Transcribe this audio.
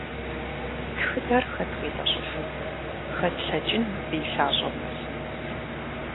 Тхыдэр хэт къитӀэщӀыфын, хэт лъэкӀын абы и лъащӀэм нэсын?